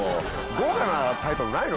豪華なタイトルないの？